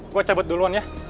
gue cabut duluan ya